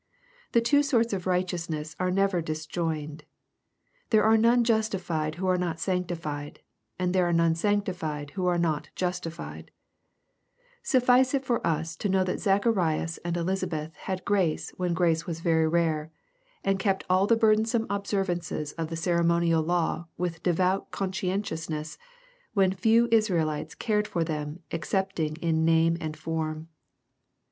The two sorts of righteousness are never disjoined. There are none justified who are not sancti fied, and there are none sanctified who are not justified Suffice it for us to know that Zacharias and Elisabeth had grace when grace was very rare, and kept all the burdensome observances of the ceremonial law with de vout conscientiousness, when few Israelites cared for them excepting in name and form.